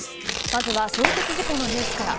まずは衝突事故のニュースから。